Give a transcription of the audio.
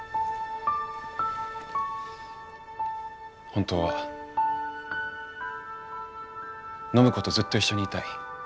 本当は暢子とずっと一緒にいたい。